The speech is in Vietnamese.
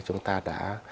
chúng ta đã